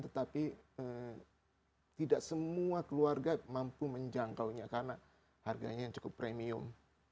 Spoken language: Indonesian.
tetapi tidak semua keluarga mampu menjangkaunya karena harganya yang cukup premium